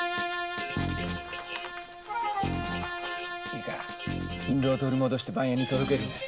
いいか印ろうを取り戻して番屋に届けるんだ。